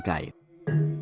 bahasa yang terbaik adalah